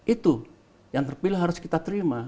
itu yang terpilih harus kita terima